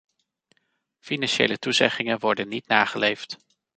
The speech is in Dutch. Financiële toezeggingen worden niet nageleefd.